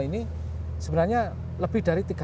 ini sebenarnya lebih dari